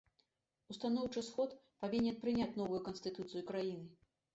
Устаноўчы сход павінен прыняць новую канстытуцыю краіны.